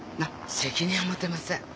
責任はもてません。